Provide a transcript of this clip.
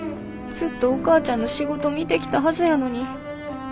ずっとお母ちゃんの仕事見てきたはずやのに。